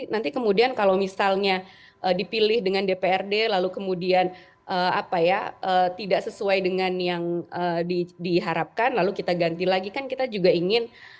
nanti kemudian kalau misalnya dipilih dengan dprd lalu kemudian apa ya tidak sesuai dengan yang diharapkan lalu kita ganti lagi kan kita juga ingin